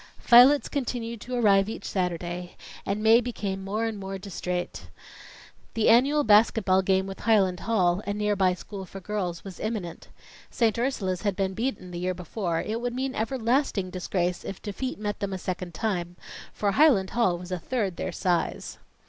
Violets continued to arrive each Saturday, and Mae became more and more distrait. The annual basket ball game with Highland Hall, a near by school for girls, was imminent. St. Ursula's had been beaten the year before; it would mean everlasting disgrace if defeat met them a second time, for Highland Hall was a third their size.